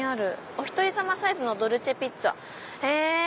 「お一人様サイズのドルチェピッツァ」。